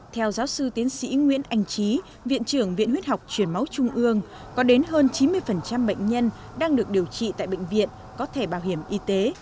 theo giáo sư tiến sĩ nguyễn anh trí viện trưởng viện huyết học truyền máu trung ương có đến hơn chín mươi bệnh nhân đang được điều trị tại bệnh viện có thể bảo hiểm y tế